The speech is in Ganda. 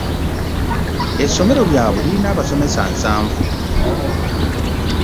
Essomero lyabwe lirina abasomessa nsanvu.